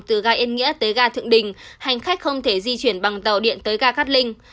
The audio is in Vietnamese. từ ga yên nghĩa tới ga thượng đình hành khách không thể di chuyển bằng tàu điện tới ga cát linh